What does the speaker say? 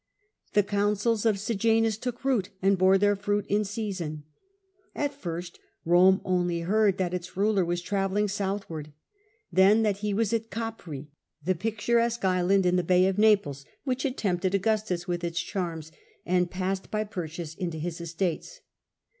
The counsels of Sejanus took root and bore their fruit in season. At first Rome only heard that its rulei was travelling southward, then that he was Tiberius at Capreae, the picturesque island in the bay of Naples which had tempted Augustus with a.d. 76 . its charms and passed by purchase into his estates.